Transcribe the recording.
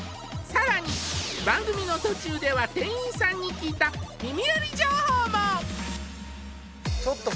さらに番組の途中では店員さんに聞いた耳より情報も！